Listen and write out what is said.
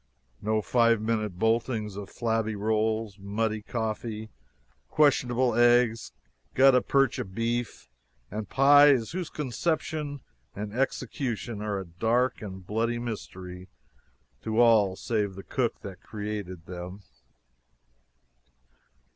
No five minute boltings of flabby rolls, muddy coffee, questionable eggs, gutta percha beef, and pies whose conception and execution are a dark and bloody mystery to all save the cook that created them!